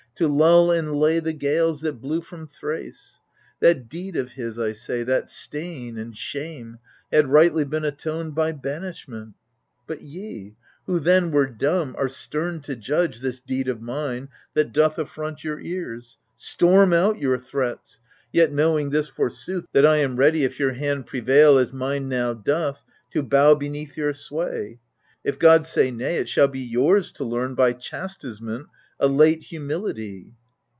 To lull and lay the gales that blew from Thrace. That deed of his, I say, that stain and shame. Had rightly been atoned by banishment ; But ye, who then were dumb, are stem to judge This deed of mine that doth affront your ears. Storm out your threats, yet knowing this for sooth, That I am ready, if your hand prevail As mine now doth, to bow beneath your sway : If God say nay, it shall be yours to learn By chastisement a late humility.